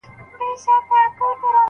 تخیل د پرمختګ لپاره مهم دی.